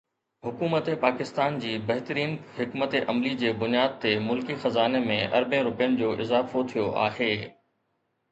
حڪومت پاڪستان جي بهترين حڪمت عملي جي بنياد تي ملڪي خزاني ۾ اربين رپين جو اضافو ٿيو آهي.